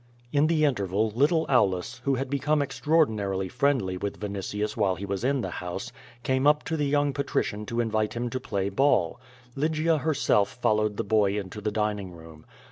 In the interval, little Aulus, who had become extraordinar ily friendly with Vinitius while he was in the house, came up to the young patrician to invite him to play ball. Lygia herself followed the boy into the dining room.